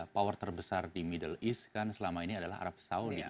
power terbesar di middle east kan selama ini adalah arab saudi